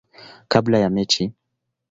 kabla ya mechi.